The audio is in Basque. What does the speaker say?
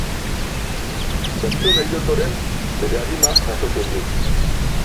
Pertsona hil ondoren bere arima jasotzen du.